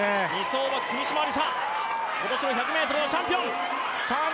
２走は君嶋愛梨沙、今年の１００ｍのチャンピオン。